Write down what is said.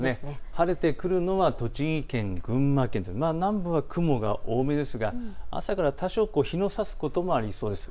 晴れてくるのは栃木県、群馬県、南部は雲が多めですが朝から多少、日のさすこともありそうです。